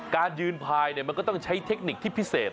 การยืนพายมันก็ต้องใช้เทคนิคที่พิเศษ